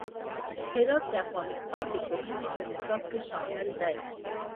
هرات د افغانستان د پوهنې نصاب کې شامل دي.